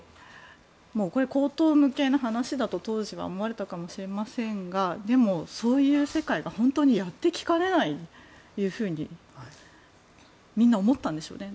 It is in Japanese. これは荒唐無稽な話だと当時は思われたかもしれませんがでもそういう世界が本当にやってきかねないとみんな思ったんでしょうね。